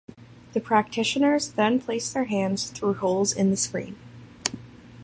The practitioners then placed their hands through holes in the screen.